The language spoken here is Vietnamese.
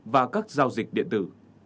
và các giao dịch điện tử